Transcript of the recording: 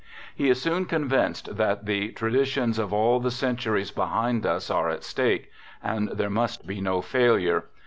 r He is soon convinced that " the traditions of all the centuries behind us " are at stake, and there must be no failure.